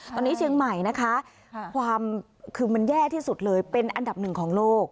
ตอนนี้เชียงใหม่นะคะความคือมันแย่ที่สุดเลยเป็นอันดับหนึ่งของโลก